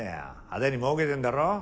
派手にもうけてんだろ？